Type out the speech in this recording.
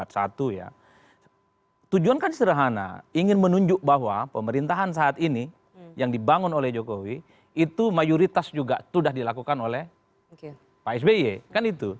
satu ya tujuan kan sederhana ingin menunjuk bahwa pemerintahan saat ini yang dibangun oleh jokowi itu mayoritas juga sudah dilakukan oleh pak sby kan itu